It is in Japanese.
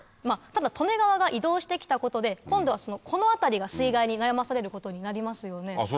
ただ利根川が移動して来たことで今度はこの辺りが水害に悩まされることになりますよね？